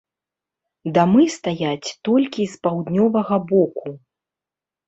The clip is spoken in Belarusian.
Дамы стаяць толькі з паўднёвага боку.